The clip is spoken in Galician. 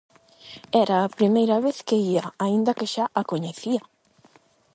Era a primeira vez que ía, aínda que xa a coñecía.